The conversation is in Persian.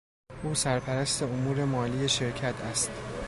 او سرپرست امور مالی شرکت است.